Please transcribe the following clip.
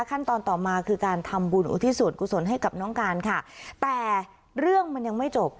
ขั้นตอนต่อมาคือการทำบุญอุทิศส่วนกุศลให้กับน้องการค่ะแต่เรื่องมันยังไม่จบ